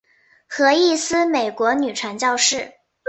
何义思美国女传教士。